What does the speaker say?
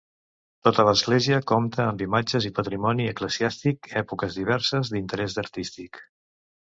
Tota l'església compta amb imatges i patrimoni eclesiàstic èpoques diverses d'interès artístic.